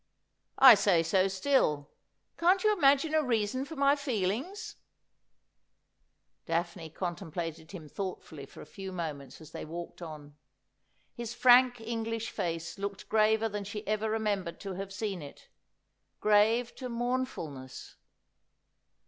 ' I say so still. Can't you imagine a reason for my feelings ?'' Daphne contemplated him thoughtfully for a few moments as they walked on. His frank English face looked graver than she ever remembered to have seen it — grave to mournfulness.